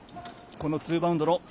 この２バウンドの。